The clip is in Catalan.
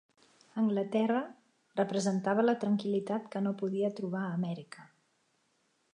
Anglaterra representava la tranquil·litat que no podia trobar a Amèrica.